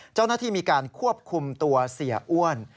เจ้าหน้าที่มีการควบคุมตัวเสียอ้วน